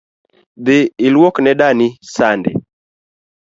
Dhi ilwuok ne dani sande